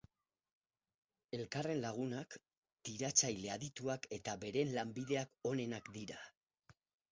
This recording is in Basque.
Elkarren lagunak, tiratzaile adituak eta beren lanbideak onenak dira.